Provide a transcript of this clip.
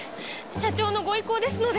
社長のご意向ですので！